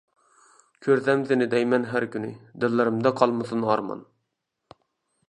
كۆرسەم سېنى دەيمەن ھەر كۈنى، دىللىرىمدا قالمىسۇن ئارمان.